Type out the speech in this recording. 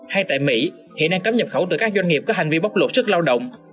hay tại mỹ hiện đang cấm nhập khẩu từ các doanh nghiệp có hành vi bóc lột sức lao động